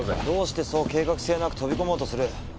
どうしてそう計画性なく飛び込もうとする？